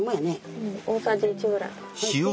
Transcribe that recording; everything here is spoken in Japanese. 大さじ１ぐらい。